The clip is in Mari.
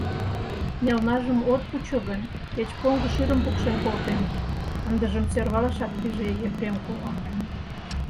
— Мелнажым от вучо гын, кеч поҥго шӱрым пукшен колтем, — ындыжым сӧрвалашак пиже Епрем кува.